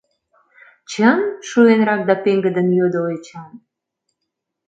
Чын? — шуэнрак да пеҥгыдын йодо Эчан.